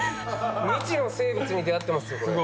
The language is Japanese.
未知の生物に出合ってますよ。